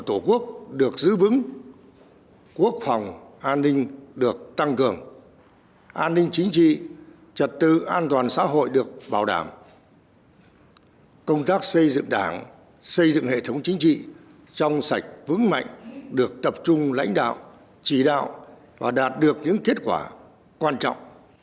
tạo không khí phấn khởi trong toàn xã hội tạo không khí phấn khởi trong toàn xã hội